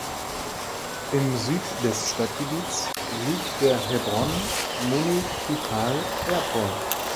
Im Süd des Stadtgebiets liegt der Hebron Municipal Airport.